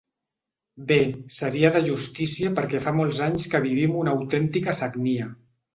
Bé, seria de justícia perquè fa molts anys que vivim una autèntica sagnia.